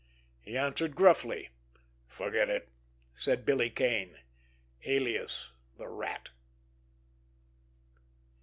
He answered gruffly. "Forget it!" said Billy Kane, alias the Rat.